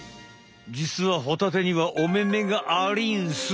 じつはホタテにはお目目がありんす。